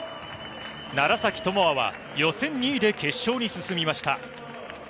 楢崎智亜は、予選２位で決勝に進みました。